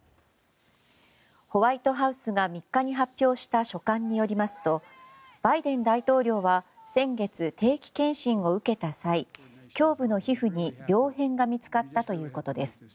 ホワイトハウスが３日に発表した書簡によりますとバイデン大統領は先月、定期健診を受けた際胸部の皮膚に病変が見つかったということです。